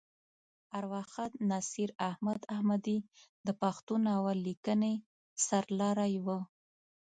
ارواښاد نصیر احمد احمدي د پښتو ناول لیکنې سر لاری وه.